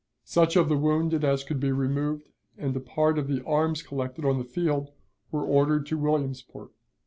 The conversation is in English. Such of the wounded as could be removed and a part of the arms collected on the field were ordered to Williamsport.